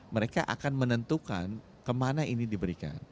mereka akan menentukan kemana ini diberikan